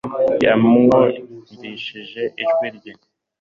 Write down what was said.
yamwumvishije ijwi rye